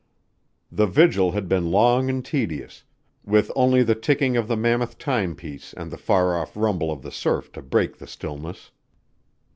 The vigil had been long and tedious, with only the ticking of the mammoth timepiece and the far off rumble of the surf to break the stillness.